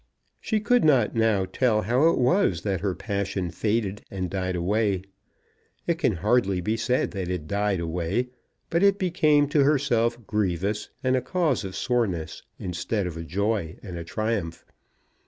She could not tell how it was that her passion faded and died away. It can hardly be said that it died away; but it became to herself grievous and a cause of soreness, instead of a joy and a triumph.